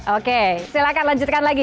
oke silahkan lanjutkan lagi